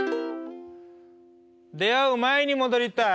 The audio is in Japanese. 「出会う前に戻りたい」。